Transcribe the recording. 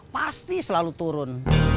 pasti selalu turun